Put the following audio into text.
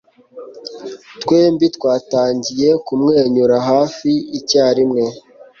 twembi twatangiye kumwenyura hafi icyarimwe